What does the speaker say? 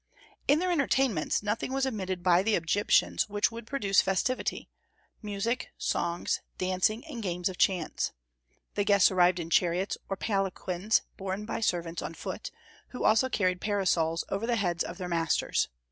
In their entertainments nothing was omitted by the Egyptians which would produce festivity, music, songs, dancing, and games of chance. The guests arrived in chariots or palanquins, borne by servants on foot, who also carried parasols over the heads of their masters.